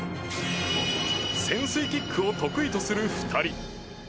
潜水キックを得意とする２人。